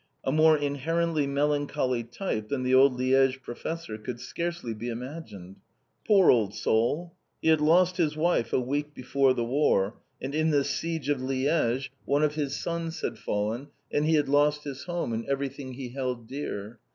A more inherently melancholy type than the old Liège professor could scarcely be imagined. Poor old soul! He had lost his wife a week before the war, and in the siege of Liège one of his sons had fallen, and he had lost his home, and everything he held dear.